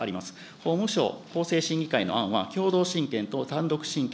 法務省法制審議会の案は、共同親権と単独親権